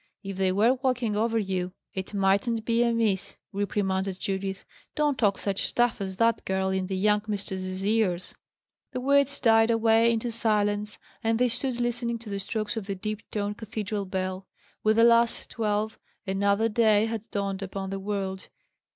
"If they were walking over you, it mightn't be amiss," reprimanded Judith. "Don't talk such stuff as that, girl, in the young mistress's ears." The words died away into silence, and they stood listening to the strokes of the deep toned cathedral bell. With the last, twelve, another day had dawned upon the world.